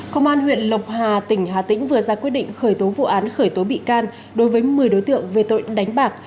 công an huyện lộc hà tỉnh hà tĩnh vừa ra quyết định khởi tố vụ án khởi tố bị can đối với một mươi đối tượng về tội đánh bạc